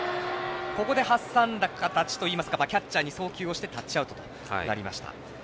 ここで挟んだ形というかキャッチャーに送球をしてタッチアウトとなりました。